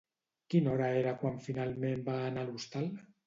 Quina hora era quan finalment va anar l'hostal?